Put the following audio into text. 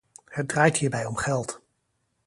Het draait hierbij om geld.